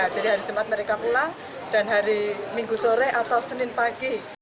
jadi hari jumat mereka pulang dan hari minggu sore atau senin pagi